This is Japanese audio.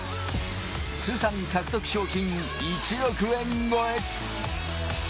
通算獲得賞金１億円超え。